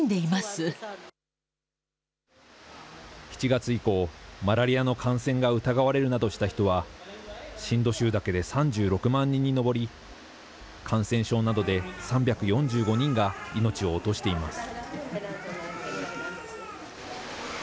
７月以降、マラリアの感染が疑われるなどした人は、シンド州だけで３６万人に上り、感染症などで３４５人が命を落としています。